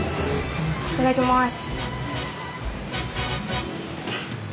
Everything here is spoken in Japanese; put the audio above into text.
いただきます！